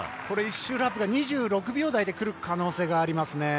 １周ラップが２６秒台でくる可能性があります。